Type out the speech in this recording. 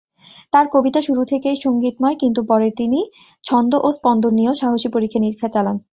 তার কবিতা শুরু থেকেই সঙ্গীতময়, কিন্তু পরে তিনি ছন্দ ও স্পন্দন নিয়েও সাহসী পরীক্ষা-নিরীক্ষা চালান।